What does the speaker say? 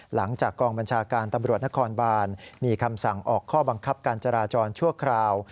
หลังจากกองบัญชาการตำรวจนครบานมีคำสั่งออกข้อบังคับการจราจรชั่วคราว